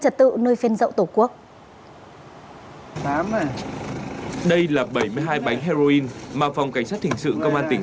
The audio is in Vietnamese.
trật tự nơi phên dậu tổ quốc đây là bảy mươi hai bánh heroin mà phòng cảnh sát hình sự công an tỉnh